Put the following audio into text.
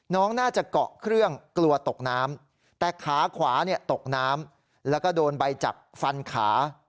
น้องน่าจะเกาะเครื่องกลัวตกน้ำแต่ขาขวาตกน้ำแล้วก็โดนใบจักรฟันขา